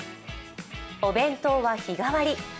お弁当は日替わり。